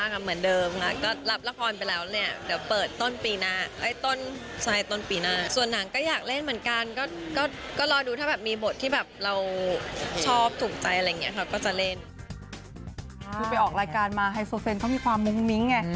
คือไปออกรายการมาไฮโซเฟนก็มีความมุ้งมิ้งไง